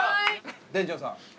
店長さん